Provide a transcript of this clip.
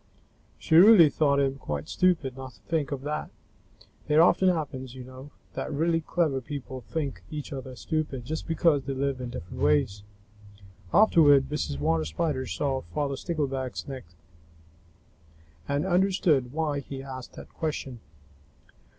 She really thought him quite stupid not to think of that. It often happens, you know, that really clever people think each other stupid, just because they live in different ways. Afterward, Mrs. Water Spider saw Father Stickleback's nest, and understood why he asked that question.